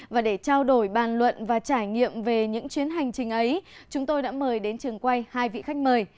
và để trao đổi bàn luận và trải nghiệm về những chuyến hành trình ấy chúng tôi đã mời đến trường quay hai vị khách mời